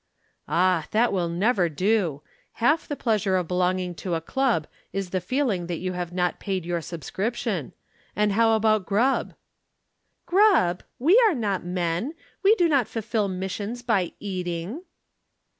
"Ah, that will never do! Half the pleasure of belonging to a club is the feeling that you have not paid your subscription. And how about grub?" "Grub! We are not men. We do not fulfil missions by eating."